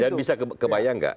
dan bisa kebayang enggak